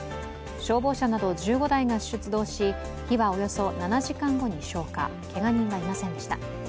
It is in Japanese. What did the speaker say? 消防車など１５台が出動し、火はおよそ７時間後に消火、けが人はいませんでした。